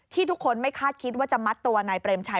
ทุกคนไม่คาดคิดว่าจะมัดตัวนายเปรมชัย